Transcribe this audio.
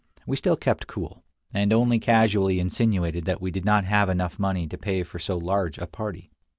We still kept cool, and only casually insinuated that we did not have enough money to pay for so large a party.